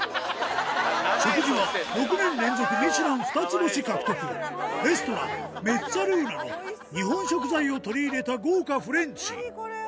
食事は６年連続ミシュラン２つ星獲得、レストラン、メッツァルーナの日本食材を取り入れた豪華フレンチ。